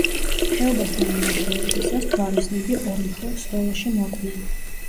ხეობასთან მიახლოებისას ჯვაროსნები ორმხრივ სროლაში მოყვნენ.